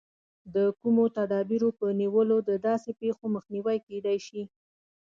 د کومو تدابیرو په نیولو د داسې پېښو مخنیوی کېدای شي.